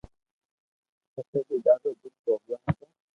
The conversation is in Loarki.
پسي بي ڌاڌو دوک ڀوگيو ھو